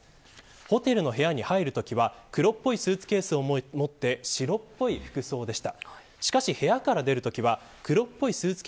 ホテルの部屋に入るときは黒っぽいスーツケースを持って白っぽい服装でした。